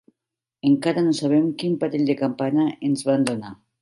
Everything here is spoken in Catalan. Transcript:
Encara no sabem quin parell de campana ens van donar.